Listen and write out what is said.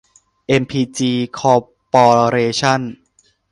เอ็มพีจี คอร์ปอเรชั่น